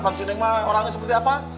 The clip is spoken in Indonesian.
pak si neng orangnya seperti apa